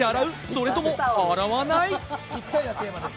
それとも洗わない？